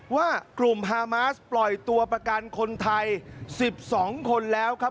ว่ากลุ่มฮามาสปล่อยตัวประกันคนไทย๑๒คนแล้วครับ